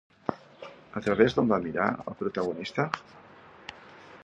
A través d'on va mirar, el protagonista?